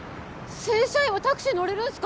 正社員はタクシー乗れるんすか？